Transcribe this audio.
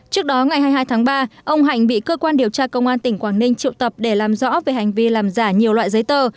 trước đó ngày hai mươi hai tháng ba ông hạnh bị cơ quan điều tra công an tỉnh quảng ninh triệu tập để làm rõ về hành vi làm giả nhiều loại giấy tờ